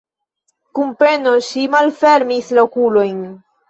Kun peno ŝi malfermis la okulojn.